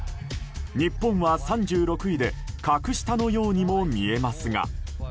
日本は３６位で格下のようにも見えますが。